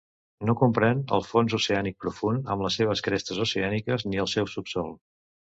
No comprèn el fons oceànic profund amb les seves crestes oceàniques ni el seu subsòl.